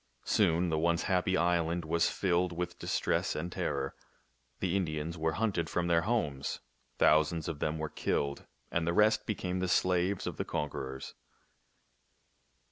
Soon the once happy island was filled with distress and terror. The Indians were hunted from their homes. Thousands of them were killed, and the rest became the slaves of their conquerors.